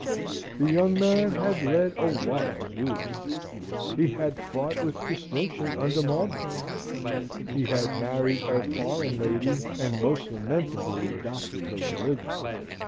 The young man had led a wild youth; he had fought with distinction under Marlborough; he had married a foreign lady, and most lamentably adopted her religion.